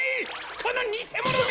このにせものめ！